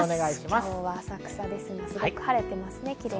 今日は浅草ですね、晴れてますね。